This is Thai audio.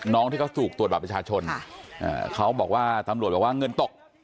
ที่เขาถูกตรวจบัตรประชาชนเขาบอกว่าตำรวจบอกว่าเงินตก